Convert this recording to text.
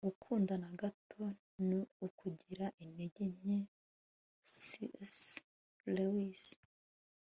gukunda na gato ni ukugira intege nke - c s lewis